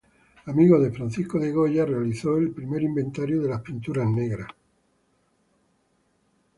Amigo de Francisco de Goya, realizó el primer inventario de las Pinturas Negras.